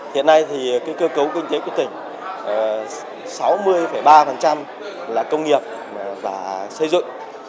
hiện nay thì cơ cấu kinh tế của tỉnh sáu mươi ba là công nghiệp và xây dựng